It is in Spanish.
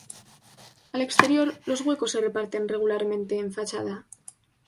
Al exterior, los huecos se reparten regularmente en fachada.